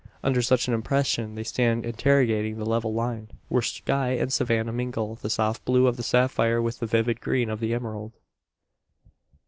Under such an impression, they stand interrogating the level line where sky and savannah mingle the soft blue of the sapphire with the vivid green of the emerald.